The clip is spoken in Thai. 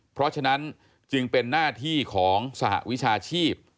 เพราะฉะนั้นจึงเป็นหน้าที่ของสหวิชาชีพ